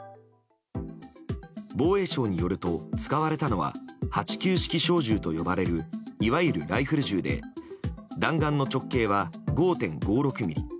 防衛省によると使われたのは８９式小銃と呼ばれるいわゆるライフル銃で弾丸の直径は５．５６ｍｍ。